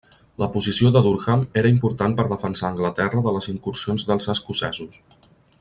La posició de Durham era important per defensar Anglaterra de les incursions dels escocesos.